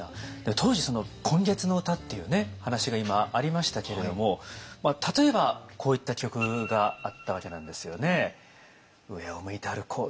当時「今月の歌」っていうね話が今ありましたけれども例えばこういった曲があったわけなんですよね。